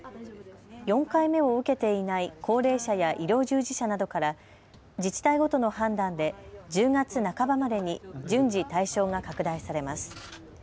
４回目を受けていない高齢者や医療従事者などから自治体ごとの判断で１０月半ばまでに順次対象が拡大されます。